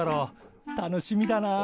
楽しみだなあ。